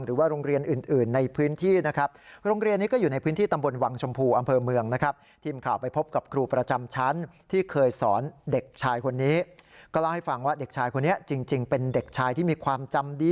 หรือว่าโรงเรียนอื่นในพื้นที่นะครับ